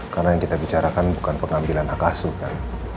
karena yang kita bicarakan bukan pengambilan hak asu kan